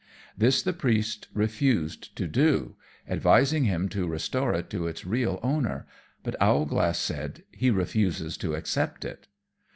This the Priest refused to do, advising him to restore it to its real owner; but Owlglass said, "He refuses to accept it."